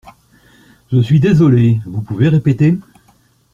Je suis désolée. Vous pouvez répéter?